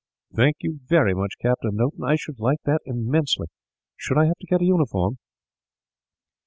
"Thank you very much, Captain Noton. I should like it immensely. Should I have to get a uniform?"